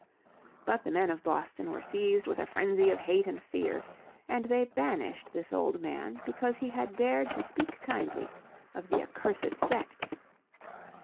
But the men of Boston were seized with a frenzy of hate and fear, and they banished this old man because he had dared to speak kindly of the accursed sect."